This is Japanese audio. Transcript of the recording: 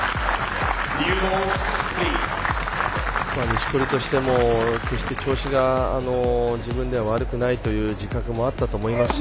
錦織としても決して調子が自分では悪くないという自覚もあったと思いますし